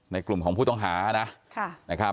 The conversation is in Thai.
ในกลุ่มของผู้ต้องหานะครับ